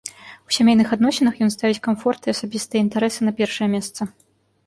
У сямейных адносінах ён ставіць камфорт і асабістыя інтарэсы на першае месца.